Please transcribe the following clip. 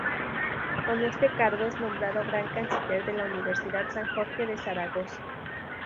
Con este cargo, es nombrado gran canciller de la Universidad San Jorge de Zaragoza.